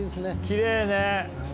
きれいね。